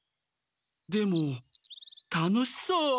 でも楽しそう。